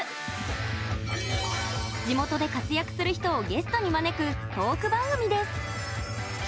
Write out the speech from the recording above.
地元で活躍する人をゲストに招くトーク番組です。